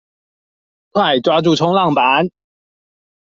快抓住衝浪板